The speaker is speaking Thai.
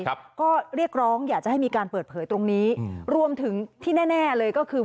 ครับก็เรียกร้องอยากจะให้มีการเปิดเผยตรงนี้อืมรวมถึงที่แน่แน่เลยก็คือ